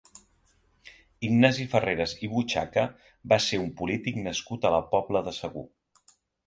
Ignasi Farreres i Bochaca va ser un polític nascut a la Pobla de Segur.